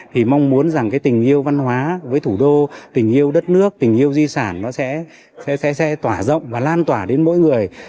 thì mong muốn rằng cái tình yêu văn hóa với thủ đô tình yêu đất nước tình yêu di sản nó sẽ tỏa rộng và lan tỏa đến mỗi người